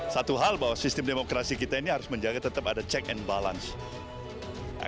satu hal bahwa sistem demokrasi kita ini harus menjaga tetap ada check and balance